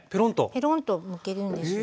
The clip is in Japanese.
ペロンとむけるんですよ。